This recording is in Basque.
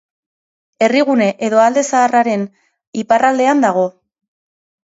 Herrigune edo Alde Zaharraren iparraldean dago.